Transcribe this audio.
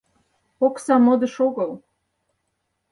Окса — модыш огыл.